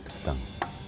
kita akan datang